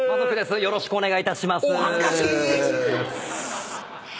よろしくお願いします。